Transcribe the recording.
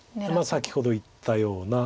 先ほど言ったような。